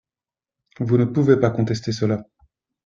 Vous ne pouvez pas contester cela